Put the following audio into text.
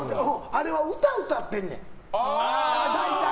あれは歌うたってんねん、大体。